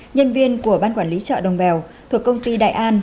nhân viên của ban quản lý chợ đồng bèo thuộc công ty đại an